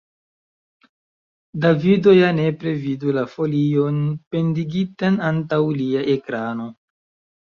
Davido ja nepre vidu la folion pendigitan antaŭ lia ekrano.